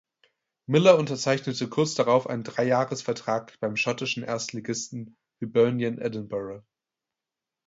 Miller unterzeichnete kurz darauf einen Dreijahresvertrag beim schottischen Erstligisten Hibernian Edinburgh.